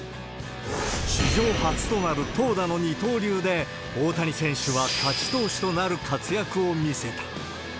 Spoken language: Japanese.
史上初となる投打の二刀流で、大谷選手は勝ち投手となる活躍を見せた。